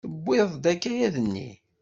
Tewwiḍ-d akayad-nni?